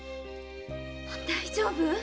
大丈夫？